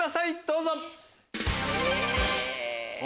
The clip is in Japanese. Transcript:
どうぞ。